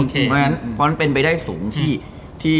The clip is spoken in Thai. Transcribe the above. เพราะฉะนั้นเป็นไปได้สูงที่